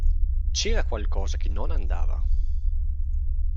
C'era qualcosa che non andava.